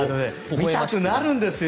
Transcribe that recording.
見たくなるんですよ！